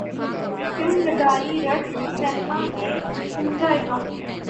film Madari رٹ cinema میں عمدہ اضافہ